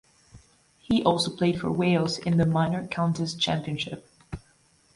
He also played for Wales in the Minor Counties Championship.